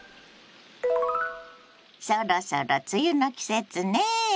そろそろ梅雨の季節ね。